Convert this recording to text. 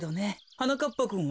はなかっぱくんは？